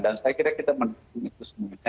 dan saya kira kita mendukung itu semuanya